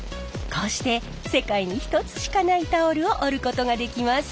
こうして世界に一つしかないタオルを織ることができます。